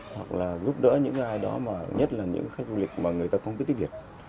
hoặc là giúp đỡ những ai đó nhất là những khách du lịch mà người ta không biết tích biệt